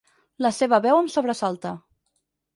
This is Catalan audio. La seva veu em sobresalta.